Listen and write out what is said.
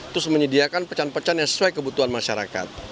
terus menyediakan pecahan pecahan yang sesuai kebutuhan masyarakat